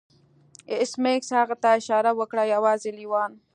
ایس میکس هغه ته اشاره وکړه یوازې لیوان